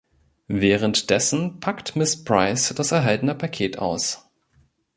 Währenddessen packt Miss Price das erhaltene Paket aus.